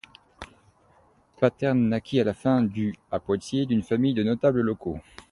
Paterne naquit à la fin du à Poitiers d'une famille de notables locaux.